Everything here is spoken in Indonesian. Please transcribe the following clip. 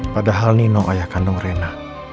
padahal nino ayah kandung rena